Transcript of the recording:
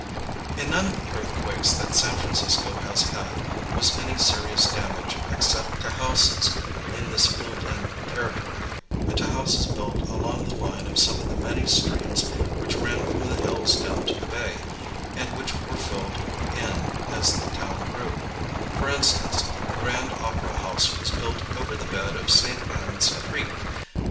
In none of the earthquakes that San Francisco has had was any serious damage except to houses in this filled in territory, and to houses built along the line of some of the many streams which ran from the hills down to the bay, and which were filled in as the town grew for instance, the Grand Opera House was built over the bed of St. Anne's Creek.